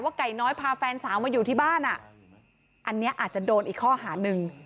ไก่น้อยพาแฟนสาวมาอยู่ที่บ้านอ่ะอันนี้อาจจะโดนอีกข้อหาหนึ่ง